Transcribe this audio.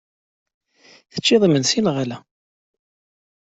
Teččiḍ imensi neɣ ala?